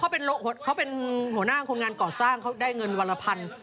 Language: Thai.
เขาเป็นหัวหน้าคนงานก่อสร้างเขาได้เงินวันละพัน